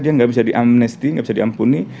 dia nggak bisa di amnesti nggak bisa diampuni